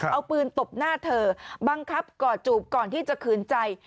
เอาปืนตบหน้าเธอบังคับกอดจูบก่อนที่จะคืนใจ